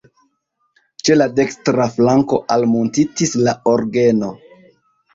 Ĉe la dekstra flanko almuntitis la orgeno.